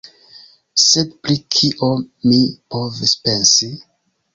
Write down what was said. Sed pri kio mi povis pensi?